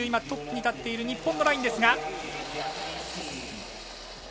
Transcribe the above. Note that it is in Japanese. トップに立っている日本のラインですが。